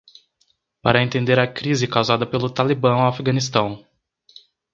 Para entender a crise causada pelo Talibã ao Afeganistão